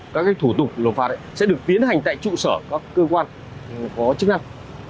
các thủ tục nộp phạt sẽ được tiến hành tại trụ sở các cơ quan có chức năng